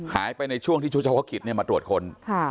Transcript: หายไปในช่วงที่ชุดเฉพาะคิดเนี่ยมาตรวจค้น